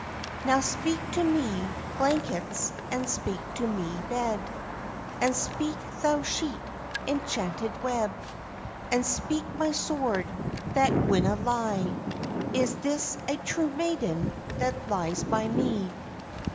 "Now speak to me, blankets, and speak to me, bed, And speak, thou sheet, enchanted web; And speak, my sword, that winna lie, Is this a true maiden that lies by me?"